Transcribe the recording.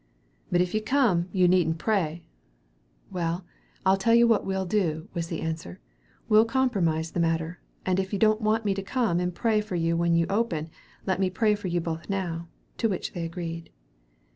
"But if you come, you needn't pray." "Well, I'll tell you what we'll do," was the answer; "we'll compromise the matter, and if you don't want me to come and pray for you when you open, let me pray for you both now," to which they agreed.